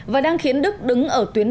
và đang khiến đức đứng ở tuyến